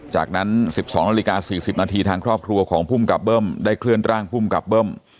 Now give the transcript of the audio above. จากนั้น๑๒นาฬิกา๔๐นาทีทางครอบครัวของภูมิกับเบิ้มได้เคลื่อนร่างภูมิกับเบิ้ม